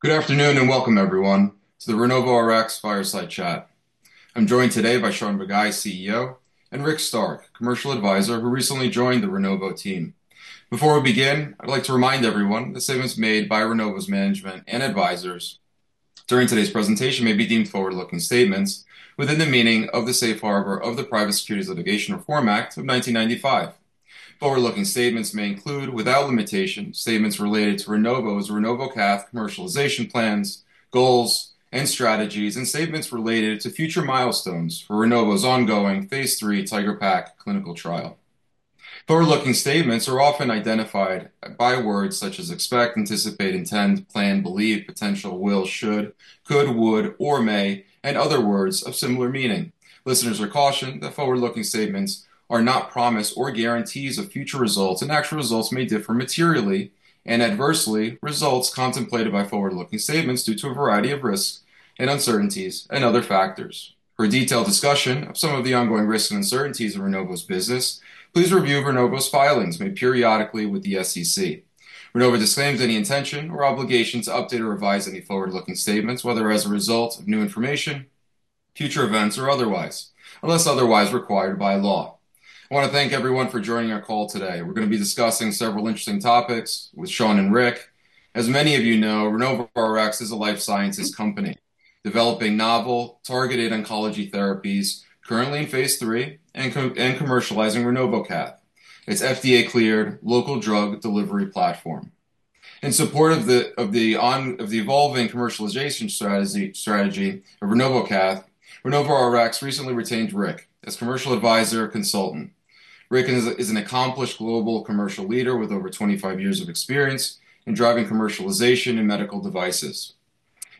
Good afternoon and welcome, everyone, to the RenovoRx Fireside Chat. I'm joined today by Shaun Bagai, CEO, and Rick Stark, Commercial Advisor, who recently joined the Renovo team. Before we begin, I'd like to remind everyone that statements made by Renovo's management and advisors during today's presentation may be deemed forward-looking statements within the meaning of the Safe Harbor of the Private Securities Litigation Reform Act of 1995. Forward-looking statements may include, without limitation, statements related to Renovo's RenovoCath commercialization plans, goals, and strategies, and statements related to future milestones for Renovo's ongoing phase III TIGeR-PaC clinical trial. Forward-looking statements are often identified by words such as expect, anticipate, intend, plan, believe, potential, will, should, could, would, or may, and other words of similar meaning. Listeners are cautioned that forward-looking statements are not promises or guarantees of future results, and actual results may differ materially and adversely from results contemplated by forward-looking statements due to a variety of risks, uncertainties, and other factors. For a detailed discussion of some of the ongoing risks and uncertainties of RenovoRx's business, please review RenovoRx's filings made periodically with the SEC. RenovoRx disclaims any intention or obligation to update or revise any forward-looking statements, whether as a result of new information, future events, or otherwise, unless otherwise required by law. I want to thank everyone for joining our call today. We're going to be discussing several interesting topics with Shaun and Rick. As many of you know, RenovoRx is a life sciences company developing novel targeted oncology therapies, currently in phase III, and commercializing RenovoCath, its FDA-cleared local drug delivery platform. In support of the evolving commercialization strategy of RenovoCath, RenovoRx recently retained Rick as Commercial Advisor Consultant. Rick is an accomplished global commercial leader with over 25 years of experience in driving commercialization in medical devices,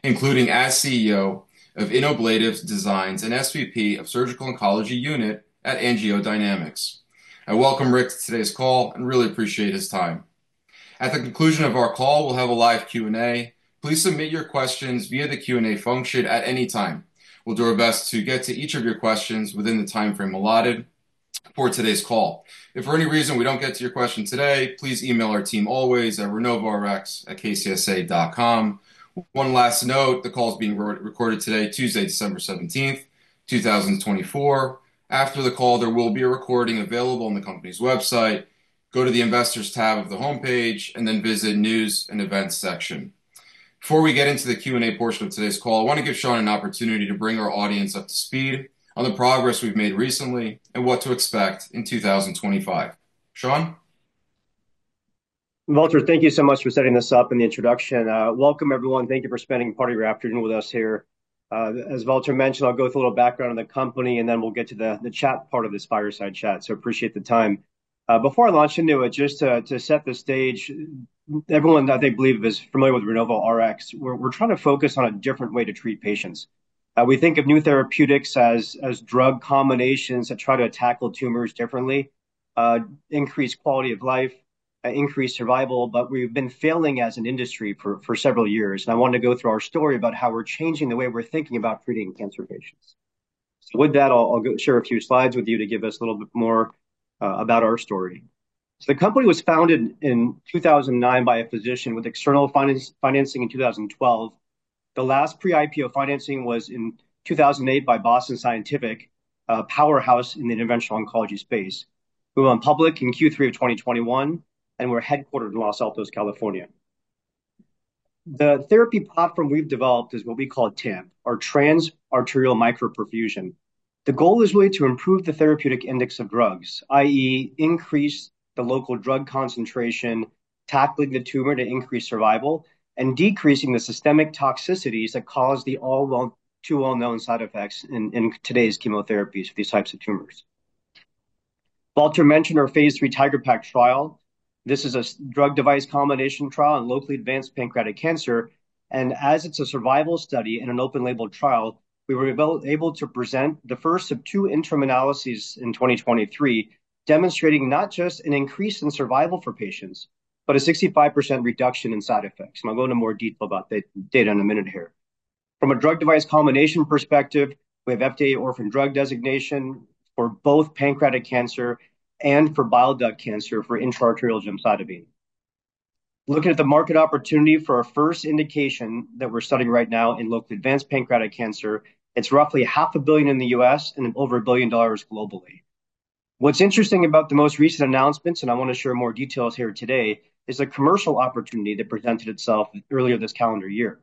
including as CEO of Innoblative Designs and SVP of Surgical Oncology Unit at AngioDynamics. I welcome Rick to today's call and really appreciate his time. At the conclusion of our call, we'll have a live Q&A. Please submit your questions via the Q&A function at any time. We'll do our best to get to each of your questions within the timeframe allotted for today's call. If for any reason we don't get to your question today, please email our team always at renovorx@kcsa.com. One last note, the call is being recorded today, Tuesday, December 17th, 2024. After the call, there will be a recording available on the company's website. Go to the Investors tab of the homepage and then visit News and Events section. Before we get into the Q&A portion of today's call, I want to give Shaun an opportunity to bring our audience up to speed on the progress we've made recently and what to expect in 2025. Shaun? Valter, thank you so much for setting this up and the introduction. Welcome, everyone. Thank you for spending part of your afternoon with us here. As Valter mentioned, I'll go through a little background on the company, and then we'll get to the chat part of this fireside chat. So I appreciate the time. Before I launch into it, just to set the stage, everyone, I think, is familiar with RenovoRx. We're trying to focus on a different way to treat patients. We think of new therapeutics as drug combinations that try to tackle tumors differently, increase quality of life, and increase survival, but we've been failing as an industry for several years, and I wanted to go through our story about how we're changing the way we're thinking about treating cancer patients. So with that, I'll share a few slides with you to give us a little bit more about our story. So the company was founded in 2009 by a physician with external financing in 2012. The last pre-IPO financing was in 2008 by Boston Scientific, a powerhouse in the interventional oncology space. We went public in Q3 of 2021 and were headquartered in Los Altos, California. The therapy platform we've developed is what we call TAMP, or Transarterial Microperfusion. The goal is really to improve the therapeutic index of drugs, i.e., increase the local drug concentration, tackling the tumor to increase survival, and decreasing the systemic toxicities that cause the all-too-well-known side effects in today's chemotherapies for these types of tumors. Valter mentioned our phase III TIGeR-PaC trial. This is a drug-device combination trial in locally advanced pancreatic cancer. As it's a survival study in an open-label trial, we were able to present the first of two interim analyses in 2023, demonstrating not just an increase in survival for patients, but a 65% reduction in side effects. I'll go into more detail about the data in a minute here. From a drug-device combination perspective, we have FDA orphan drug designation for both pancreatic cancer and for bile duct cancer for intra-arterial gemcitabine. Looking at the market opportunity for our first indication that we're studying right now in locally advanced pancreatic cancer, it's roughly $500 million in the U.S. and over $1 billion globally. What's interesting about the most recent announcements, and I want to share more details here today, is a commercial opportunity that presented itself earlier this calendar year.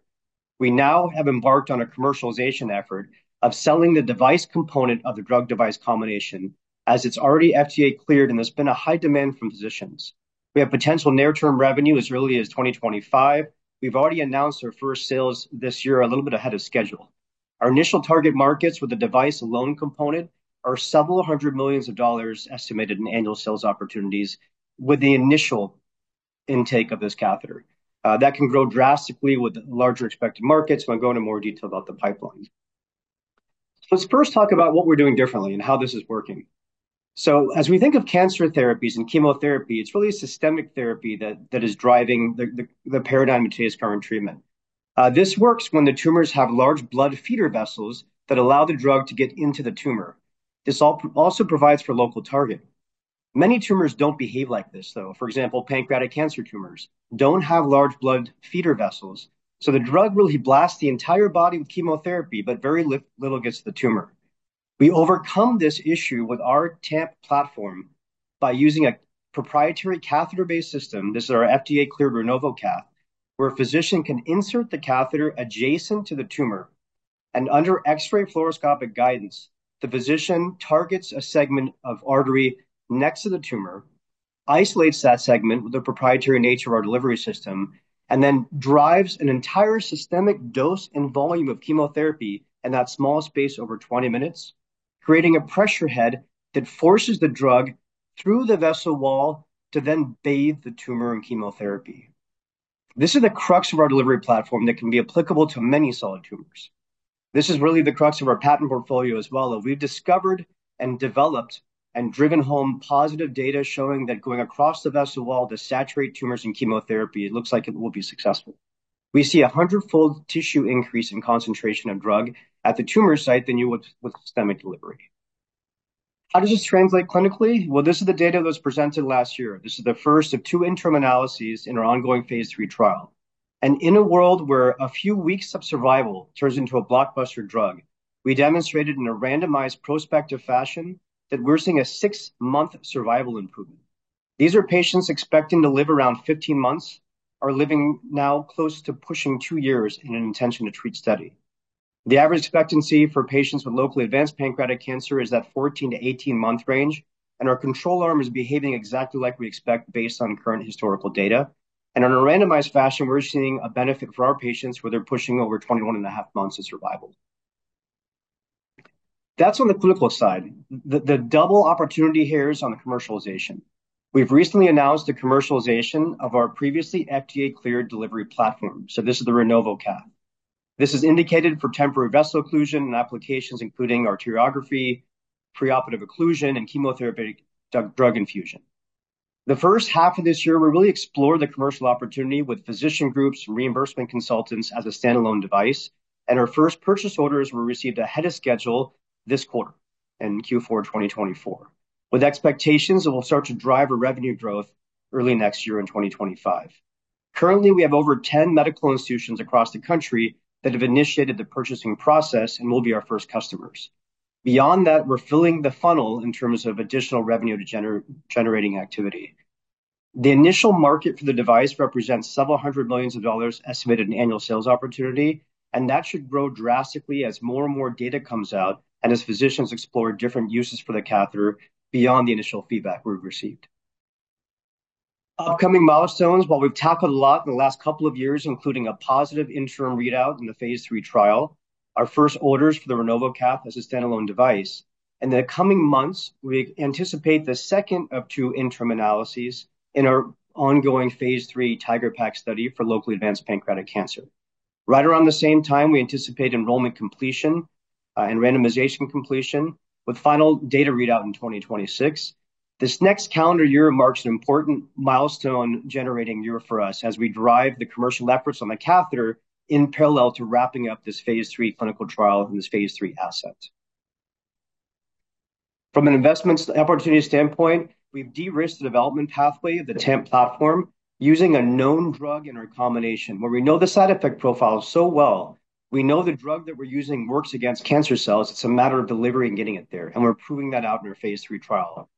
We now have embarked on a commercialization effort of selling the device component of the drug-device combination as it's already FDA-cleared and there's been a high demand from physicians. We have potential near-term revenue as early as 2025. We've already announced our first sales this year a little bit ahead of schedule. Our initial target markets with the device alone component are several hundred million of dollars estimated in annual sales opportunities with the initial intake of this catheter. That can grow drastically with larger expected markets. I'm going to go into more detail about the pipeline. Let's first talk about what we're doing differently and how this is working. So as we think of cancer therapies and chemotherapy, it's really a systemic therapy that is driving the paradigm to its current treatment. This works when the tumors have large blood feeder vessels that allow the drug to get into the tumor. This also provides for local target. Many tumors don't behave like this, though. For example, pancreatic cancer tumors don't have large blood feeder vessels. So the drug really blasts the entire body with chemotherapy, but very little gets to the tumor. We overcome this issue with our TAMP platform by using a proprietary catheter-based system. This is our FDA-cleared RenovoCath, where a physician can insert the catheter adjacent to the tumor and under X-ray fluoroscopic guidance, the physician targets a segment of artery next to the tumor, isolates that segment with the proprietary nature of our delivery system, and then drives an entire systemic dose and volume of chemotherapy in that small space over 20 minutes, creating a pressure head that forces the drug through the vessel wall to then bathe the tumor in chemotherapy. This is the crux of our delivery platform that can be applicable to many solid tumors. This is really the crux of our patent portfolio as well. We've discovered and developed and driven home positive data showing that going across the vessel wall to saturate tumors in chemotherapy, it looks like it will be successful. We see a hundred-fold tissue increase in concentration of drug at the tumor site than you would with systemic delivery. How does this translate clinically? This is the data that was presented last year. This is the first of two interim analyses in our ongoing phase III trial. In a world where a few weeks of survival turns into a blockbuster drug, we demonstrated in a randomized prospective fashion that we're seeing a six-month survival improvement. These are patients expecting to live around 15 months, are living now close to pushing two years in an intention-to-treat study. The average expectancy for patients with locally advanced pancreatic cancer is that 14 to 18-month range, and our control arm is behaving exactly like we expect based on current historical data. and in a randomized fashion, we're seeing a benefit for our patients where they're pushing over 21 and a half months of survival. That's on the clinical side. The double opportunity here is on the commercialization. We've recently announced the commercialization of our previously FDA-cleared delivery platform. So this is the RenovoCath. This is indicated for temporary vessel occlusion and applications including arteriography, preoperative occlusion, and chemotherapeutic drug infusion. The first half of this year, we really explored the commercial opportunity with physician groups and reimbursement consultants as a standalone device. And our first purchase orders were received ahead of schedule this quarter in Q4 2024, with expectations that will start to drive our revenue growth early next year in 2025. Currently, we have over 10 medical institutions across the country that have initiated the purchasing process and will be our first customers. Beyond that, we're filling the funnel in terms of additional revenue-generating activity. The initial market for the device represents several hundred million dollars estimated in annual sales opportunity, and that should grow drastically as more and more data comes out and as physicians explore different uses for the catheter beyond the initial feedback we've received. Upcoming milestones, while we've tackled a lot in the last couple of years, including a positive interim readout in the phase III trial, our first orders for the RenovoCath as a standalone device, and in the coming months, we anticipate the second of two interim analyses in our ongoing phase III TIGeR-PaC study for locally advanced pancreatic cancer. Right around the same time, we anticipate enrollment completion and randomization completion with final data readout in 2026. This next calendar year marks an important milestone-generating year for us as we drive the commercial efforts on the catheter in parallel to wrapping up this phase III clinical trial and this phase III asset. From an investment opportunity standpoint, we've de-risked the development pathway of the TAMP platform using a known drug in our combination, where we know the side effect profile so well. We know the drug that we're using works against cancer cells. It's a matter of delivery and getting it there. And we're proving that out in our phase III trial.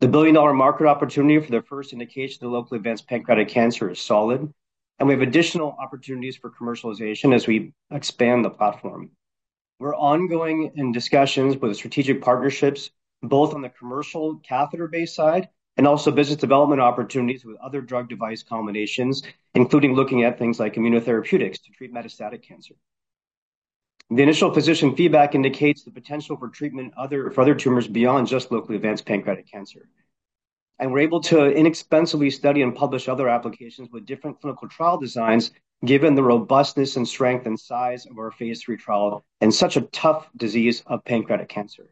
The billion-dollar market opportunity for the first indication of locally advanced pancreatic cancer is solid, and we have additional opportunities for commercialization as we expand the platform. We're ongoing in discussions with strategic partnerships, both on the commercial catheter-based side and also business development opportunities with other drug-device combinations, including looking at things like immunotherapeutics to treat metastatic cancer. The initial physician feedback indicates the potential for treatment for other tumors beyond just locally advanced pancreatic cancer, and we're able to inexpensively study and publish other applications with different clinical trial designs given the robustness and strength and size of our phase III trial in such a tough disease of pancreatic cancer.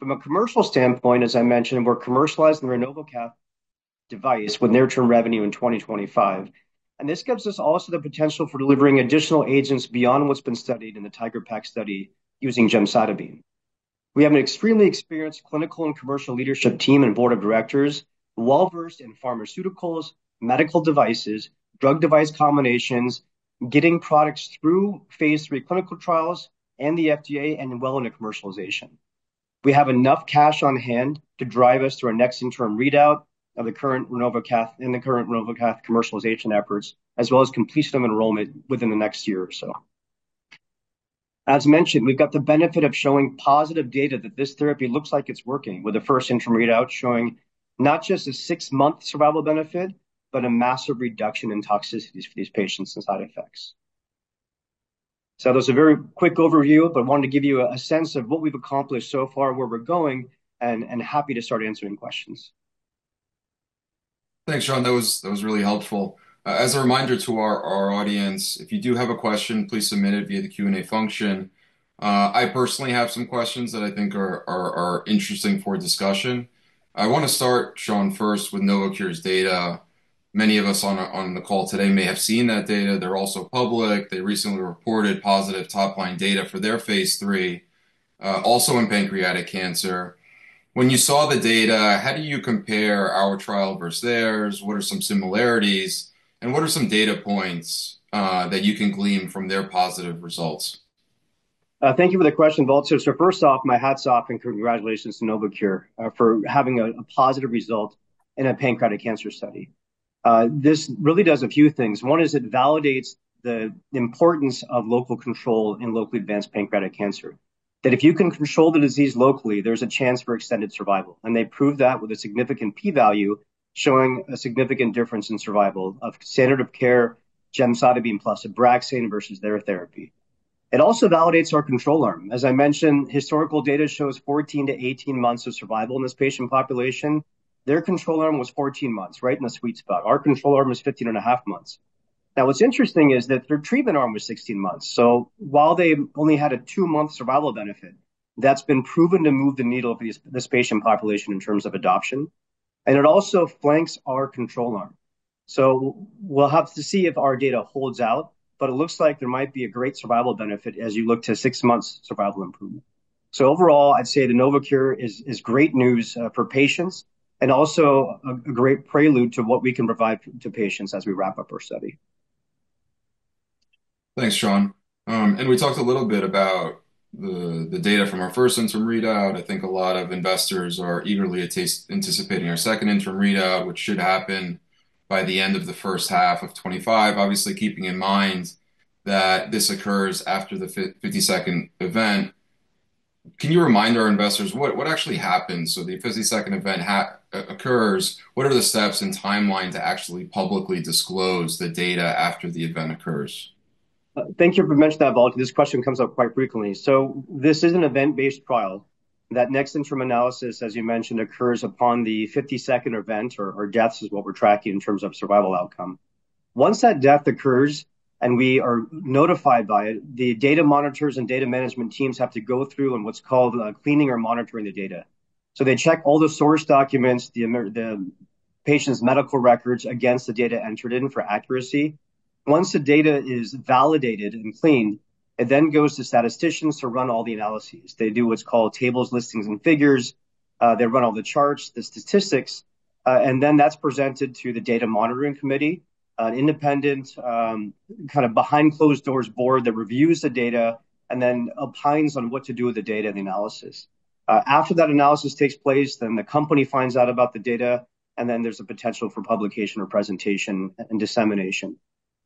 From a commercial standpoint, as I mentioned, we're commercializing the RenovoCath device with near-term revenue in 2025, and this gives us also the potential for delivering additional agents beyond what's been studied in the TIGeR-PaC study using gemcitabine. We have an extremely experienced clinical and commercial leadership team and board of directors well-versed in pharmaceuticals, medical devices, drug-device combinations, getting products through phase III clinical trials and the FDA and well into commercialization. We have enough cash on hand to drive us to our next interim readout of the current RenovoCath and the current RenovoCath commercialization efforts, as well as completion of enrollment within the next year or so. As mentioned, we've got the benefit of showing positive data that this therapy looks like it's working with the first interim readout showing not just a six-month survival benefit, but a massive reduction in toxicities for these patients and side effects. So that was a very quick overview, but I wanted to give you a sense of what we've accomplished so far, where we're going, and happy to start answering questions. Thanks, Shaun. That was really helpful. As a reminder to our audience, if you do have a question, please submit it via the Q&A function. I personally have some questions that I think are interesting for discussion. I want to start, Shaun, first with Novocure's data. Many of us on the call today may have seen that data. They're also public. They recently reported positive top-line data for their phase III, also in pancreatic cancer. When you saw the data, how do you compare our trial versus theirs? What are some similarities and what are some data points that you can glean from their positive results? Thank you for the question, Valter. So first off, my hats off and congratulations to Novocure for having a positive result in a pancreatic cancer study. This really does a few things. One is it validates the importance of local control in locally advanced pancreatic cancer. That if you can control the disease locally, there's a chance for extended survival. And they prove that with a significant p-value showing a significant difference in survival of standard of care gemcitabine plus Abraxane versus their therapy. It also validates our control arm. As I mentioned, historical data shows 14-18 months of survival in this patient population. Their control arm was 14 months, right in the sweet spot. Our control arm is 15 and a half months. Now, what's interesting is that their treatment arm was 16 months. So while they only had a two-month survival benefit, that's been proven to move the needle for this patient population in terms of adoption. And it also flanks our control arm. So we'll have to see if our data holds out, but it looks like there might be a great survival benefit as you look to six-month survival improvement. So overall, I'd say the Novocure is great news for patients and also a great prelude to what we can provide to patients as we wrap up our study. Thanks, Shaun. And we talked a little bit about the data from our first interim readout. I think a lot of investors are eagerly anticipating our second interim readout, which should happen by the end of the first half of 2025, obviously keeping in mind that this occurs after the 52nd event. Can you remind our investors what actually happens? So the 52nd event occurs. What are the steps and timeline to actually publicly disclose the data after the event occurs? Thank you for mentioning that, Valter. This question comes up quite frequently. So this is an event-based trial. That next interim analysis, as you mentioned, occurs upon the 52nd event, or deaths is what we're tracking in terms of survival outcome. Once that death occurs and we are notified by it, the data monitors and data management teams have to go through what's called cleaning or monitoring the data. So they check all the source documents, the patient's medical records against the data entered in for accuracy. Once the data is validated and cleaned, it then goes to statisticians to run all the analyses. They do what's called tables, listings, and figures. They run all the charts, the statistics, and then that's presented to the data monitoring committee, an independent kind of behind closed doors board that reviews the data and then opines on what to do with the data and the analysis. After that analysis takes place, then the company finds out about the data, and then there's a potential for publication or presentation and dissemination.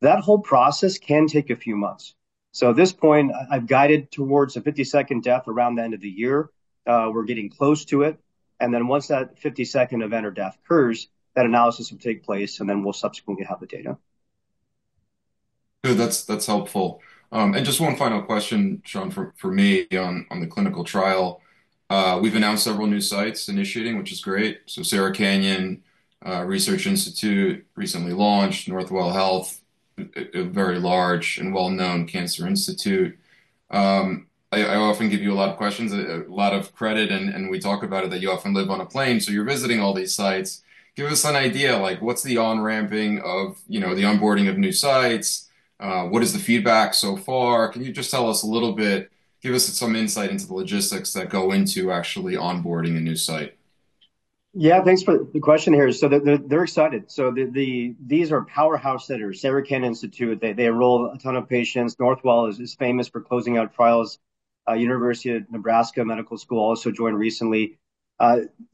That whole process can take a few months, so at this point, I've guided towards a 52nd death around the end of the year. We're getting close to it, and then once that 52nd event or death occurs, that analysis will take place, and then we'll subsequently have the data. Good. That's helpful. And just one final question, Shaun, for me on the clinical trial. We've announced several new sites initiating, which is great. So Sarah Cannon Research Institute recently launched, Northwell Health, a very large and well-known cancer institute. I often give you a lot of questions, a lot of credit, and we talk about it that you often live on a plane, so you're visiting all these sites. Give us an idea, like what's the on-ramping of the onboarding of new sites? What is the feedback so far? Can you just tell us a little bit, give us some insight into the logistics that go into actually onboarding a new site? Yeah, thanks for the question here. So they're excited. So these are powerhouse centers. Sarah Cannon Research Institute, they enroll a ton of patients. Northwell Health is famous for closing out trials. University of Nebraska Medical Center also joined recently.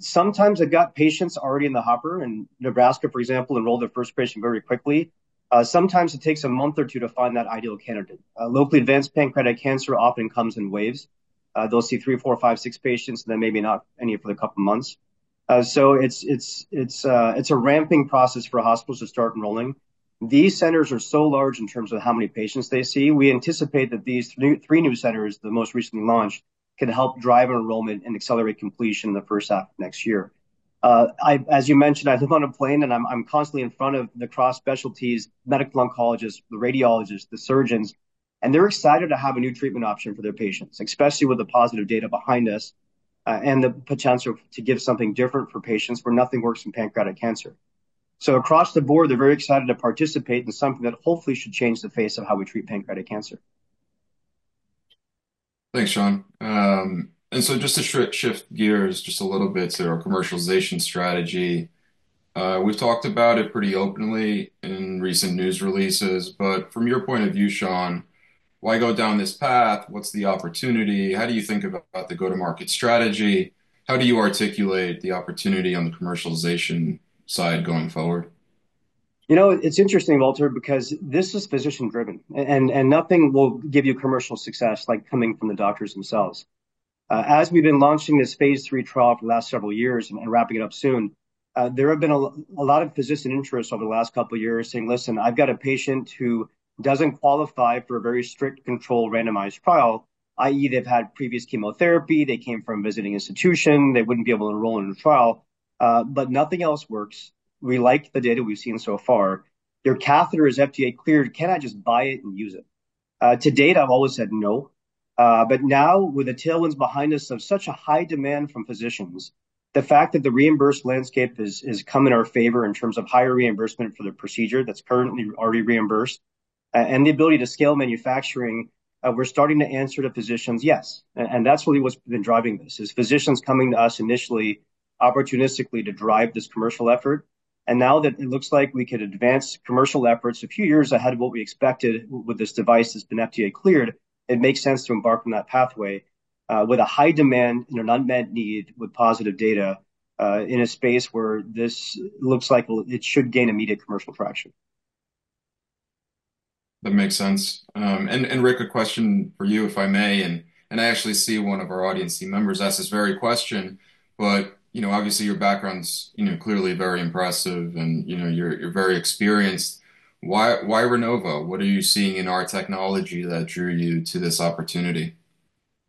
Sometimes they've got patients already in the hopper. In Nebraska, for example, enrolled their first patient very quickly. Sometimes it takes a month or two to find that ideal candidate. Locally advanced pancreatic cancer often comes in waves. They'll see three, four, five, six patients, and then maybe not any for a couple of months. So it's a ramping process for hospitals to start enrolling. These centers are so large in terms of how many patients they see. We anticipate that these three new centers, the most recently launched, can help drive enrollment and accelerate completion the first half of next year. As you mentioned, I live on a plane, and I'm constantly in front of the cross-specialties, medical oncologists, the radiologists, the surgeons, and they're excited to have a new treatment option for their patients, especially with the positive data behind us and the potential to give something different for patients where nothing works in pancreatic cancer, so across the board, they're very excited to participate in something that hopefully should change the face of how we treat pancreatic cancer. Thanks, Shaun. And so just to shift gears just a little bit to our commercialization strategy, we've talked about it pretty openly in recent news releases, but from your point of view, Shaun, why go down this path? What's the opportunity? How do you think about the go-to-market strategy? How do you articulate the opportunity on the commercialization side going forward? You know, it's interesting, Valter, because this is physician-driven, and nothing will give you commercial success like coming from the doctors themselves. As we've been launching this phase III trial for the last several years and wrapping it up soon, there have been a lot of physician interest over the last couple of years saying, "Listen, I've got a patient who doesn't qualify for a very strict controlled randomized trial, i.e., they've had previous chemotherapy, they came from a visiting institution, they wouldn't be able to enroll in a trial, but nothing else works. We like the data we've seen so far. Their catheter is FDA cleared. Can I just buy it and use it?" To date, I've always said no. But now, with the tailwinds behind us of such a high demand from physicians, the fact that the reimbursed landscape is coming in our favor in terms of higher reimbursement for the procedure that's currently already reimbursed and the ability to scale manufacturing, we're starting to answer to physicians, yes. And that's really what's been driving this, is physicians coming to us initially opportunistically to drive this commercial effort. And now that it looks like we could advance commercial efforts a few years ahead of what we expected with this device that's been FDA cleared, it makes sense to embark on that pathway with a high demand and an unmet need with positive data in a space where this looks like it should gain immediate commercial traction. That makes sense. And Rick, a question for you, if I may. And I actually see one of our audience members asked this very question, but obviously your background's clearly very impressive and you're very experienced. Why Renovo? What are you seeing in our technology that drew you to this opportunity?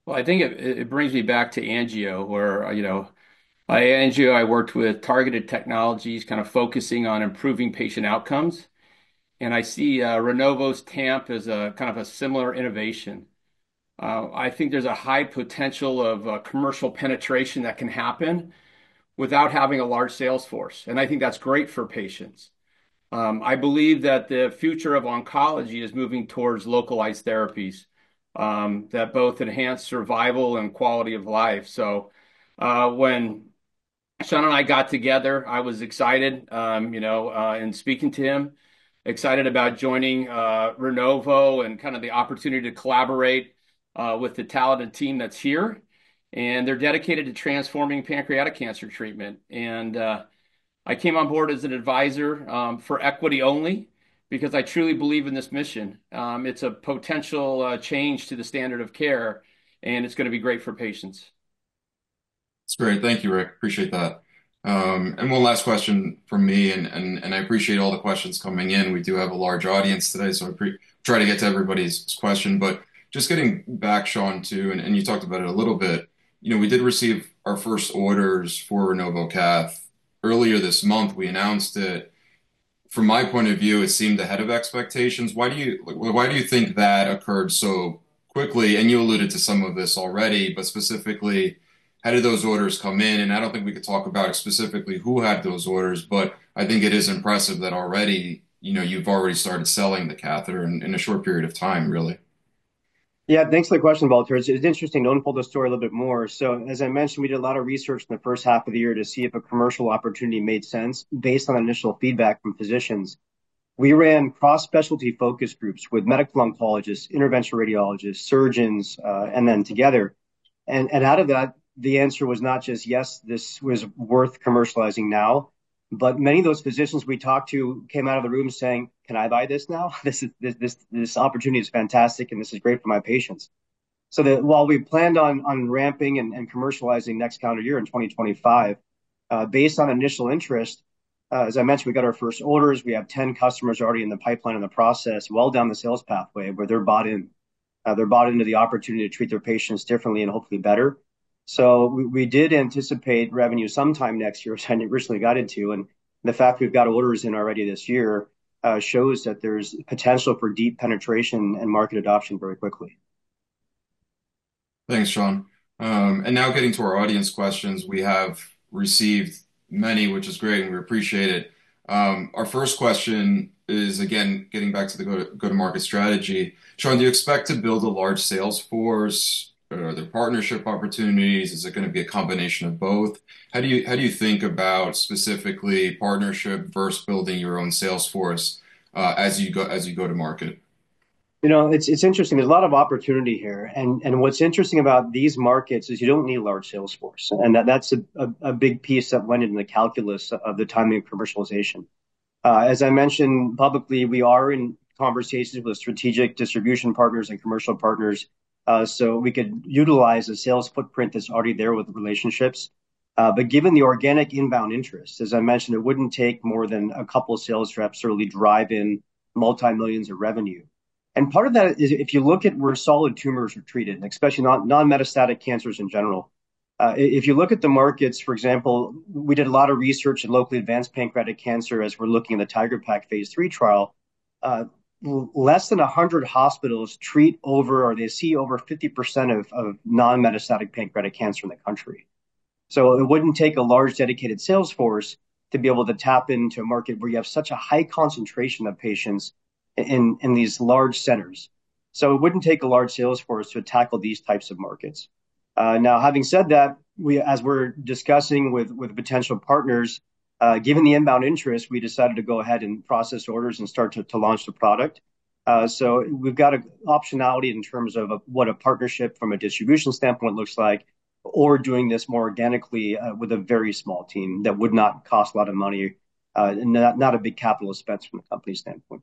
I think it brings me back to Angio, where I worked with targeted technologies kind of focusing on improving patient outcomes. I see Renovo's TAMP as kind of a similar innovation. I think there's a high potential of commercial penetration that can happen without having a large sales force. I think that's great for patients. I believe that the future of oncology is moving towards localized therapies that both enhance survival and quality of life. When Shaun and I got together, I was excited in speaking to him, excited about joining Renovo and kind of the opportunity to collaborate with the talented team that's here. They're dedicated to transforming pancreatic cancer treatment. I came on board as an advisor for equity only because I truly believe in this mission. It's a potential change to the standard of care, and it's going to be great for patients. That's great. Thank you, Rick. Appreciate that, and one last question from me, and I appreciate all the questions coming in. We do have a large audience today, so I try to get to everybody's question, but just getting back, Shaun, too, and you talked about it a little bit. We did receive our first orders for RenovoCath earlier this month. We announced it. From my point of view, it seemed ahead of expectations. Why do you think that occurred so quickly? And you alluded to some of this already, but specifically, how did those orders come in? And I don't think we could talk about specifically who had those orders, but I think it is impressive that already you've started selling the catheter in a short period of time, really. Yeah, thanks for the question, Valter. It's interesting to unfold the story a little bit more, so as I mentioned, we did a lot of research in the first half of the year to see if a commercial opportunity made sense based on initial feedback from physicians. We ran cross-specialty focus groups with medical oncologists, interventional radiologists, surgeons, and then together, and out of that, the answer was not just, "Yes, this was worth commercializing now," but many of those physicians we talked to came out of the room saying, "Can I buy this now? This opportunity is fantastic, and this is great for my patients," so while we planned on ramping and commercializing next calendar year in 2025, based on initial interest, as I mentioned, we got our first orders. We have 10 customers already in the pipeline and the process, well down the sales pathway where they're bought in. They're bought into the opportunity to treat their patients differently and hopefully better. So we did anticipate revenue sometime next year, which I originally got into. And the fact we've got orders in already this year shows that there's potential for deep penetration and market adoption very quickly. Thanks, Shaun. And now getting to our audience questions, we have received many, which is great, and we appreciate it. Our first question is, again, getting back to the go-to-market strategy. Shaun, do you expect to build a large sales force? Are there partnership opportunities? Is it going to be a combination of both? How do you think about specifically partnership versus building your own sales force as you go to market? You know, it's interesting. There's a lot of opportunity here. And what's interesting about these markets is you don't need a large sales force. And that's a big piece that went into the calculus of the timing of commercialization. As I mentioned publicly, we are in conversations with strategic distribution partners and commercial partners so we could utilize the sales footprint that's already there with relationships. But given the organic inbound interest, as I mentioned, it wouldn't take more than a couple of sales reps to really drive in multimillions of revenue. And part of that is if you look at where solid tumors are treated, and especially non-metastatic cancers in general. If you look at the markets, for example, we did a lot of research in locally advanced pancreatic cancer as we're looking at the TIGeR-PaC phase III trial. Less than 100 hospitals treat, or they see, over 50% of non-metastatic pancreatic cancer in the country. So it wouldn't take a large dedicated sales force to be able to tap into a market where you have such a high concentration of patients in these large centers. So it wouldn't take a large sales force to tackle these types of markets. Now, having said that, as we're discussing with potential partners, given the inbound interest, we decided to go ahead and process orders and start to launch the product. So we've got an optionality in terms of what a partnership from a distribution standpoint looks like, or doing this more organically with a very small team that would not cost a lot of money, not a big capital expense from a company standpoint.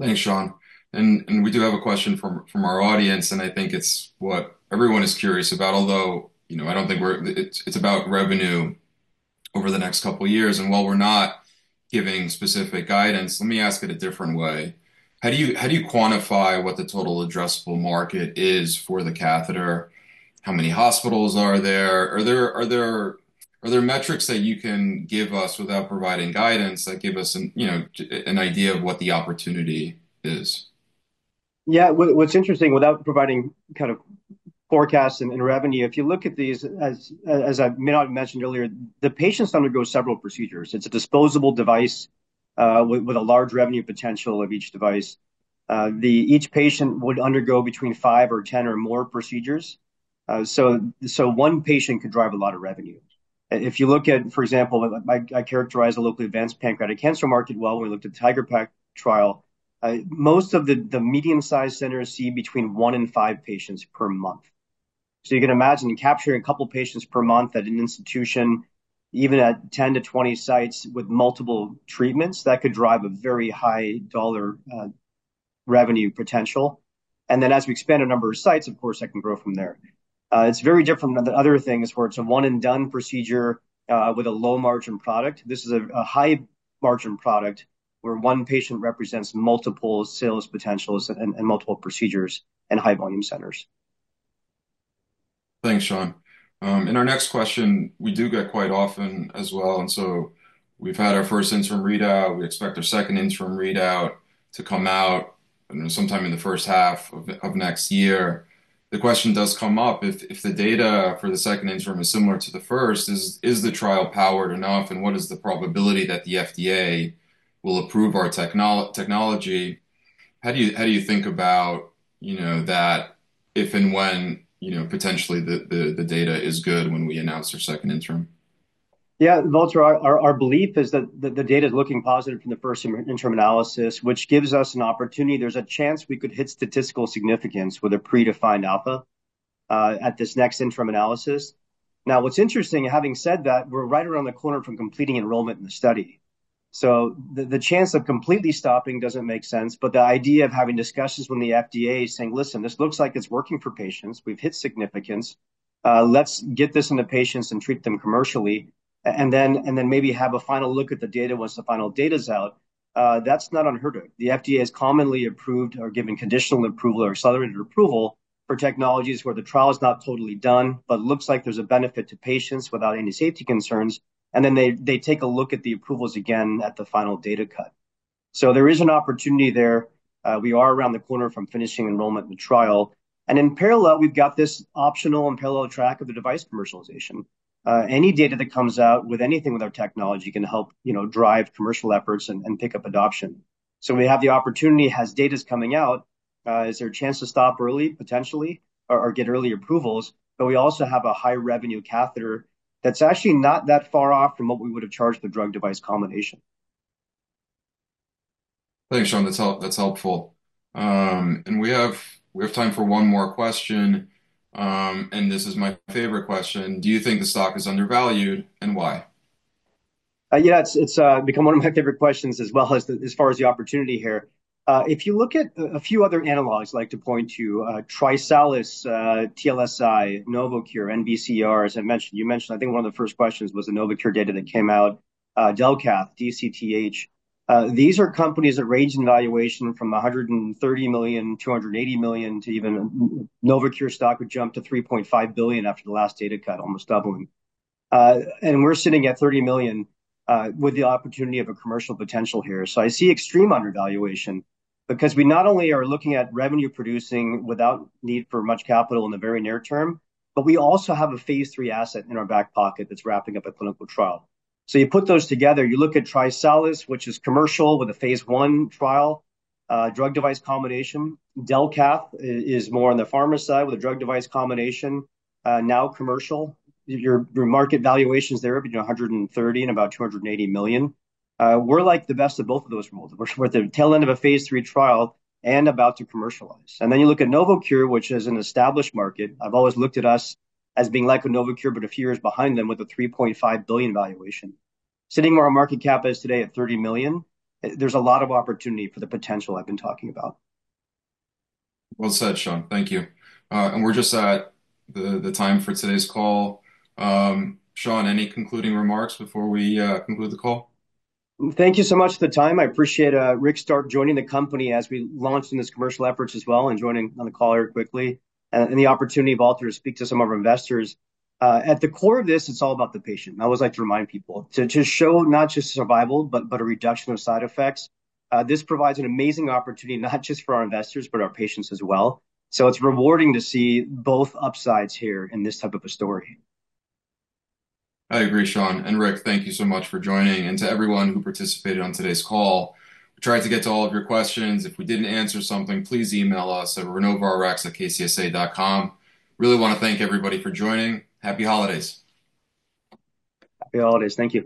Thanks, Shaun. And we do have a question from our audience, and I think it's what everyone is curious about, although I don't think it's about revenue over the next couple of years. And while we're not giving specific guidance, let me ask it a different way. How do you quantify what the total addressable market is for the catheter? How many hospitals are there? Are there metrics that you can give us without providing guidance that give us an idea of what the opportunity is? Yeah, what's interesting, without providing kind of forecasts and revenue, if you look at these, as I may not have mentioned earlier, the patients undergo several procedures. It's a disposable device with a large revenue potential of each device. Each patient would undergo between five or 10 or more procedures. So one patient could drive a lot of revenue. If you look at, for example, I characterize a locally advanced pancreatic cancer market well when we looked at the TIGeR-PaC trial, most of the medium-sized centers see between one and five patients per month. So you can imagine capturing a couple of patients per month at an institution, even at 10-20 sites with multiple treatments, that could drive a very high dollar revenue potential. And then as we expand a number of sites, of course, that can grow from there. It's very different than other things where it's a one-and-done procedure with a low-margin product. This is a high-margin product where one patient represents multiple sales potentials and multiple procedures and high-volume centers. Thanks, Shaun. And our next question, we do get quite often as well. And so we've had our first interim readout. We expect our second interim readout to come out sometime in the first half of next year. The question does come up, if the data for the second interim is similar to the first, is the trial powered enough, and what is the probability that the FDA will approve our technology? How do you think about that if and when potentially the data is good when we announce our second interim? Yeah, Valter, our belief is that the data is looking positive from the first interim analysis, which gives us an opportunity. There's a chance we could hit statistical significance with a predefined alpha at this next interim analysis. Now, what's interesting, having said that, we're right around the corner from completing enrollment in the study. So the chance of completely stopping doesn't make sense, but the idea of having discussions when the FDA is saying, "Listen, this looks like it's working for patients. We've hit significance. Let's get this into patients and treat them commercially," and then maybe have a final look at the data once the final data is out, that's not unheard of. The FDA has commonly approved or given conditional approval or accelerated approval for technologies where the trial is not totally done, but looks like there's a benefit to patients without any safety concerns, and then they take a look at the approvals again at the final data cut. So there is an opportunity there. We are around the corner from finishing enrollment in the trial. And in parallel, we've got this optional and parallel track of the device commercialization. Any data that comes out with anything with our technology can help drive commercial efforts and pick up adoption. So we have the opportunity as data is coming out, is there a chance to stop early potentially or get early approvals? But we also have a high-revenue catheter that's actually not that far off from what we would have charged the drug-device combination. Thanks, Shaun. That's helpful. And we have time for one more question. And this is my favorite question. Do you think the stock is undervalued and why? Yeah, it's become one of my favorite questions as well as far as the opportunity here. If you look at a few other analogs, I'd like to point to TriSalus, TLSI, Novocure, NVCR, as I mentioned. You mentioned, I think one of the first questions was the Novocure data that came out, Delcath, DCTH. These are companies that range in valuation from $130 million, $280 million to even Novocure stock would jump to $3.5 billion after the last data cut, almost doubling. And we're sitting at $30 million with the opportunity of a commercial potential here. So I see extreme undervaluation because we not only are looking at revenue-producing without need for much capital in the very near term, but we also have a phase III asset in our back pocket that's wrapping up a clinical trial. You put those together. You look at TriSalus, which is commercial with a phase I trial, drug-device combination. Delcath is more on the pharma side with a drug-device combination, now commercial. Your market valuation is there between $130 and about $280 million. We're like the best of both of those worlds. We're at the tail end of a phase III trial and about to commercialize. And then you look at Novocure, which is an established market. I've always looked at us as being like a Novocure, but a few years behind them with a $3.5 billion valuation. Sitting where our market cap is today at $30 million, there's a lot of opportunity for the potential I've been talking about. Well said, Shaun. Thank you, and we're just at the time for today's call. Shaun, any concluding remarks before we conclude the call? Thank you so much for the time. I appreciate Rick Stark joining the company as we launched in this commercial effort as well and joining on the call very quickly and the opportunity of all to speak to some of our investors. At the core of this, it's all about the patient. I always like to remind people to show not just survival, but a reduction of side effects. This provides an amazing opportunity not just for our investors, but our patients as well, so it's rewarding to see both upsides here in this type of a story. I agree, Shaun, and Rick, thank you so much for joining, and to everyone who participated on today's call, we tried to get to all of your questions. If we didn't answer something, please email us at renovoRx@kcsa.com. Really want to thank everybody for joining. Happy holidays. Happy holidays. Thank you.